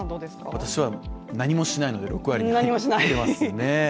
私は何もしないので６割に入っていますね。